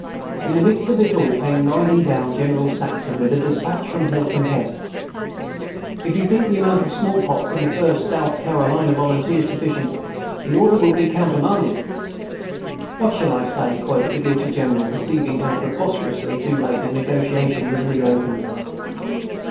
In the midst of it all came riding down General Saxton with a despatch from Hilton Head: "'If you think the amount of small pox in the First South Carolina Volunteers sufficient, the order will be countermanded.' "'What shall I say?' quoth the guilty General, perceiving how preposterously too late the negotiation was reopened.